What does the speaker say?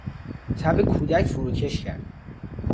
تب کودک فروکش کرد.